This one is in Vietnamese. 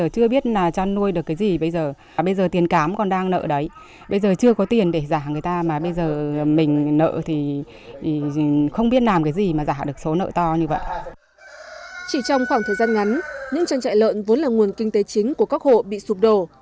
chỉ trong khoảng thời gian ngắn những trang trại lợn vốn là nguồn kinh tế chính của các hộ bị sụp đổ